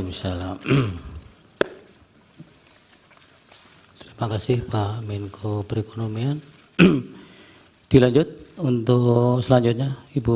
bisa sebelah kanan ibu